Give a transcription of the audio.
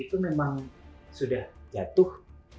itu memang sudah jatuh